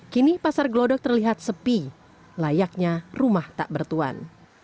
kini pasar gelodok terlihat sepi layaknya rumah tak bertuan